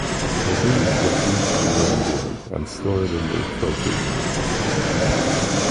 The League defeat the android, and store it in their trophy room.